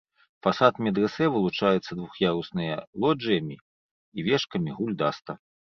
Фасад медрэсэ вылучаецца двух'ярусныя лоджыямі і вежкамі-гульдаста.